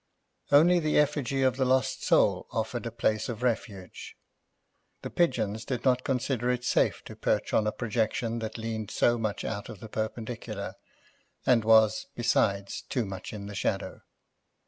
Only the effigy of the Lost Soul offered a place of refuge. The pigeons did not consider it safe to perch on a projection that leaned so much out of the perpendicular, and was, besides, too much in the shadow.